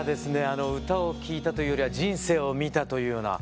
あの歌を聴いたというよりは人生を見たというような。